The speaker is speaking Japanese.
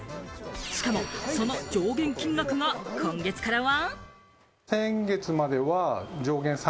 しかも、その上限金額が今月からは。